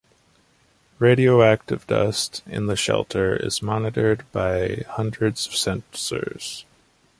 Radioactive dust in the shelter is monitored by hundreds of sensors.